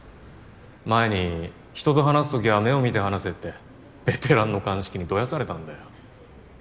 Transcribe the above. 前に人と話す時は目を見て話せってベテランの鑑識にどやされたんだよ。